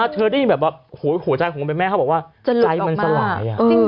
เธอได้ยินแบบหัวใจของแม่เขาบอกว่าใจมันสลายอ่ะ